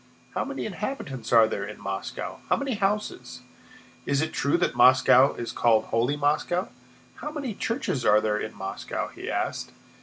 "How many inhabitants are there in Moscow? How many houses? Is it true that Moscow is called 'Holy Moscow'? How many churches are there in Moscow?" he asked.